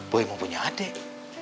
boy mau punya adik